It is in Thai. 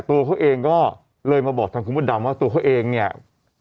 ตัวเขาเองก็เลยมาบอกทางคุณพ่อดำว่าตัวเขาเองเนี่ยมีอาการแบบนี้